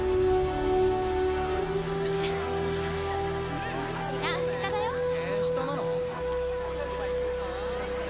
ううん違う下だよえっ下なの？